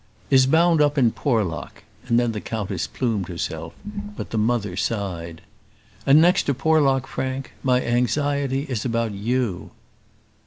"Is bound up in Porlock:" and then the countess plumed herself; but the mother sighed. "And next to Porlock, Frank, my anxiety is about you."